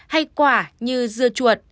hay quả như dưa chuột